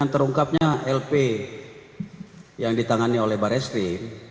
terungkapnya lp yang ditangani oleh barreskrim